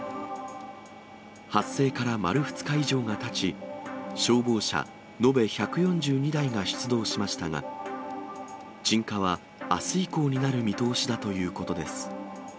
発生から丸２日以上がたち、消防車延べ１４２台が出動しましたが、鎮火はあす以降になる見通しだということです。